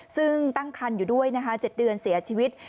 ซึ่งตั้งคันอยู่ด้วยนะคะ๗เดือนเสียชีวิต